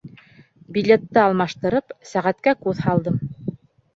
Билетты алмаштырып, сәғәткә күҙ һалдым.